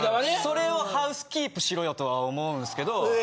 それをハウスキープしろよとは思うんすけど。